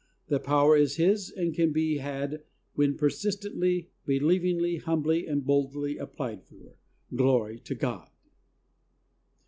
The power is His and can be had when persistently, believingly, humbly and boldly applied for. Glory to God!